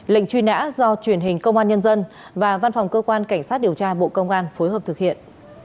lệnh truy nã do truyền hình công an nhân dân và văn phòng cơ quan cảnh sát điều tra bộ công an phối hợp thực hiện